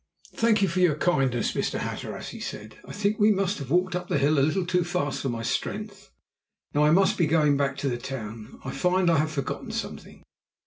"Thank you for your kindness, Mr. Hatteras," he said. "I think we must have walked up the hill a little too fast for my strength. Now, I must be going back to the town. I find I have forgotten something."